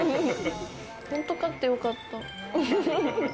本当勝ってよかった。